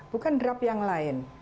bukan draft yang lain